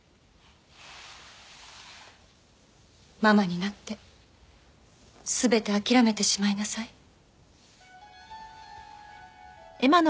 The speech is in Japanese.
ママになって全て諦めてしまいなさい。